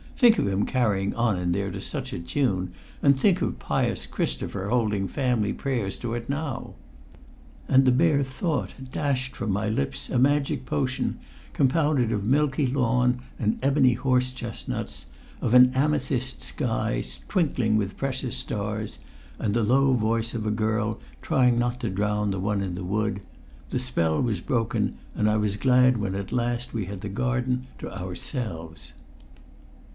Think of him carrying on in there to such a tune, and think of pious Christopher holding family prayers to it now!" And the bare thought dashed from my lips a magic potion compounded of milky lawn and ebony horse chestnuts, of an amethyst sky twinkling with precious stars, and the low voice of a girl trying not to drown the one in the wood; the spell was broken, and I was glad when at last we had the garden to ourselves.